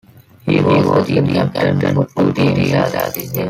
He was the team captain for two teams as a senior.